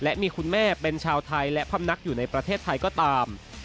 และมีคุณแม่เป็นชาวไทยและพำนักอยู่ในประเทศไทยก็ตาม